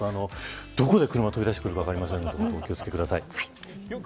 どこで車が飛び出してくるか分かりませんので気を付けてください。